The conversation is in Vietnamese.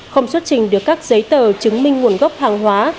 không xuất trình được các giấy tờ chứng minh nguồn gốc hàng hóa